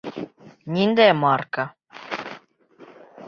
Ниндәй марка?